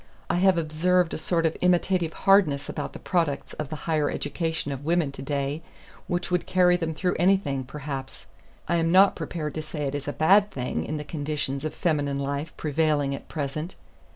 I have observed a sort of imitative hardness about the products of the higher education of women to day which would carry them through anything, perhaps. I am not prepared to say it is a bad thing in the conditions of feminine life prevailing at present.